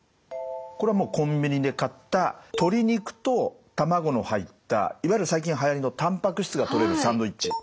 これはコンビニで買った鶏肉とたまごの入ったいわゆる最近はやりのたんぱく質がとれるサンドウイッチ。